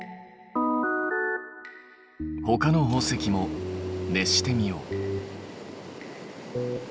ほかの宝石も熱してみよう。